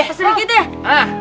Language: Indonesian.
pasti dikit ya